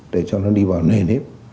để cho nó đi vào nền hết